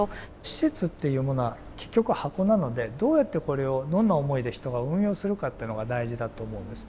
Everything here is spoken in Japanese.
施設っていうものは結局箱なのでどうやってこれをどんな思いで人が運用するかっていうのが大事だと思うんです。